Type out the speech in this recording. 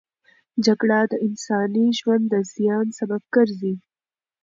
جګړه د انساني ژوند د زیان سبب ګرځي.